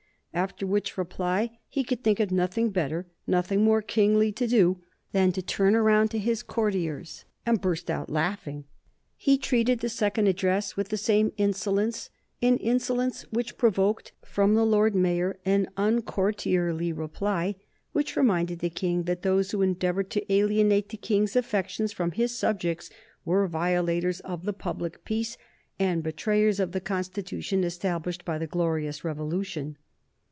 After which reply he could think of nothing better, nothing more kingly to do than to turn round to his courtiers and burst out laughing. He treated the second address with the same insolence, an insolence which provoked from the Lord Mayor an uncourtierly reply which reminded the King that those who endeavored to alienate the King's affections from his subjects were violators of the public peace and betrayers of the Constitution established by the glorious Revolution.